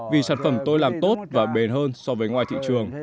vì sản phẩm tôi làm tốt và bền hơn so với ngoài thị trường